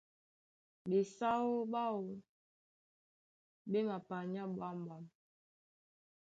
Ɓesáó ɓáō ɓé mapanyá ɓwǎm̀ɓwam.